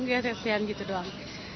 kasian gitu doang